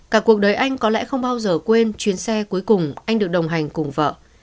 cả cuộc đời anh có lẽ không bao giờ quên chuyến xe cuối cùng anh được đồng hành cùng vợ